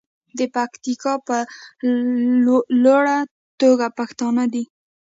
د پکتیکا په لوړه توګه پښتانه دي.